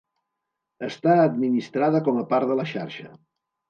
Està administrada com a part de la xarxa.